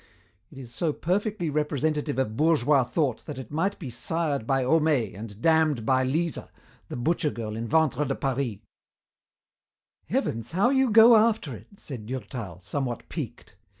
It is so perfectly representative of bourgeois thought that it might be sired by Homais and dammed by Lisa, the butcher girl in Ventre de Paris." "Heavens, how you go after it!" said Durtal, somewhat piqued.